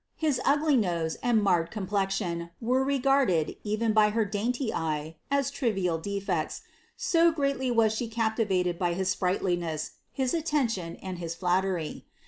His ugly nose and marred complexion were regarded, even by her dainty eye, as trivial defects, so greatly was she captivated wiih his sprightliness, his attention, and his flattery.